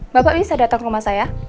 bapak bisa datang ke rumah saya